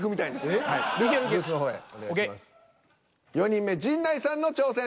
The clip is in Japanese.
４人目陣内さんの挑戦